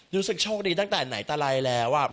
รู้สึกโชคดีตั้งแต่ไหนตะไรแล้ว